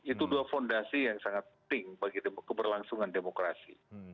itu dua fondasi yang sangat penting bagi keberlangsungan demokrasi